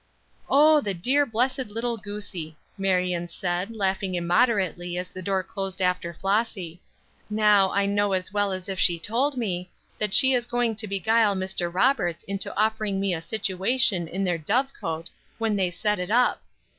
"Oh, the dear blessed little goosie!" Marion said, laughing immoderately as the door closed after Flossy. "Now, I know as well as if she told me, that she is going to beguile Mr. Roberts into offering me a situation in their dove cote, when they set it up.